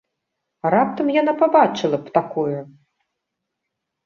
А раптам яна пабачыла б такое?